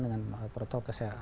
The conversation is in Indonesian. dengan protokol kesehatan